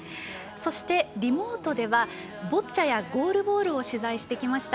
そして、リモートではボッチャがゴールボールを取材してきました